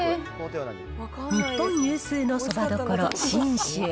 日本有数のそばどころ、信州。